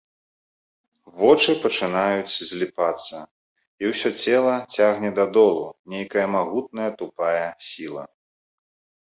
Вочы пачынаюць зліпацца, і ўсё цела цягне да долу нейкая магутная тупая сіла.